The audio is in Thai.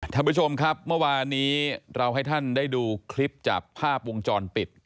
ท่านผู้ชมครับเมื่อวานนี้เราให้ท่านได้ดูคลิปจากภาพวงจรปิด